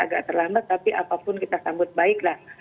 agak terlambat tapi apapun kita sambut baiklah